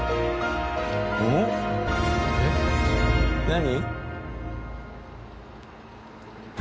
何？